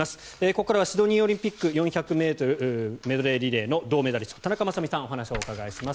ここからはシドニーオリンピック４００ｍメドレーリレーの銅メダリスト田中雅美さんにお話を伺います。